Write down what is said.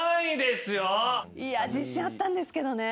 自信あったんですけどね。